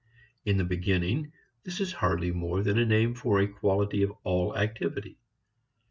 In the beginning, this is hardly more than a name for a quality of all activity.